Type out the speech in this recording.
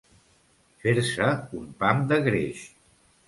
Fer-se un pam de greix.